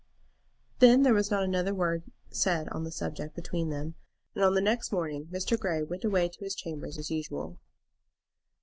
Then there was not another word said on the subject between them, and on the next morning Mr. Grey went away to his chambers as usual.